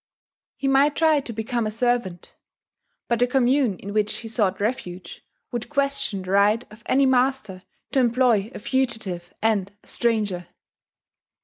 He might try to become a servant; but the commune in which he sought refuge would question the right of any master to employ a fugitive and a stranger.